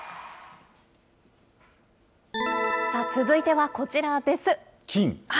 続いてはこちらです。